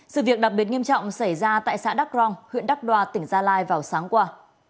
sự việc đặc biệt nghiêm trọng xảy ra tại xã đắk rong huyện đắc đoa tỉnh gia lai vào sáng qua